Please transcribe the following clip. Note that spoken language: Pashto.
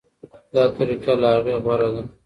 دا طریقه له هغې غوره ده.